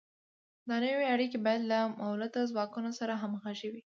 دا نوې اړیکې باید له مؤلده ځواکونو سره همغږې وي.